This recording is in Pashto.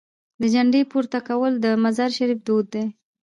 د جنډې پورته کول د مزار شریف دود دی.